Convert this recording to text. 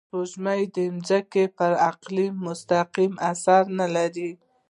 سپوږمۍ د ځمکې پر اقلیم مستقیم اثر نه لري